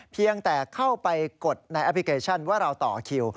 เพียงแต่เข้าไปกดในแอปพลิเคชันว่าเราต่อคิว